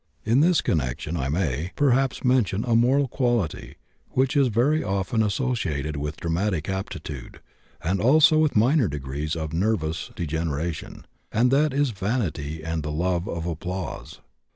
In this connection I may, perhaps, mention a moral quality which is very often associated with dramatic aptitude, and also with minor degrees of nervous degeneration, and that is vanity and the love of applause.